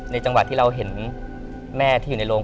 จังหวะที่เราเห็นแม่ที่อยู่ในโรง